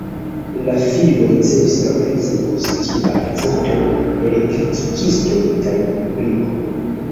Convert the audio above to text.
La filmo ricevis ampleksan pozitiva akcepton el kritikistoj kaj publiko.